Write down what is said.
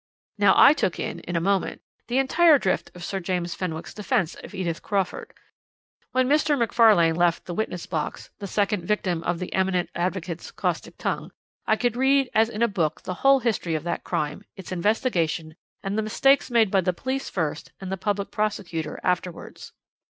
"Now I took in, in a moment, the entire drift of Sir James Fenwick's defence of Edith Crawford. When Mr. Macfarlane left the witness box, the second victim of the eminent advocate's caustic tongue, I could read as in a book the whole history of that crime, its investigation, and the mistakes made by the police first and the Public Prosecutor afterwards.